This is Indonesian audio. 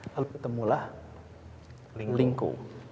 lalu ketemulah lingko